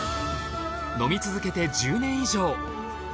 飲み続けて１０年以上。